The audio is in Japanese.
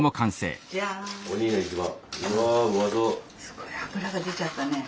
すごい脂が出ちゃったね。